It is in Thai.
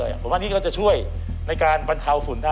เพราะว่าอันนี้ก็จะช่วยในการบรรเทาฝุ่นได้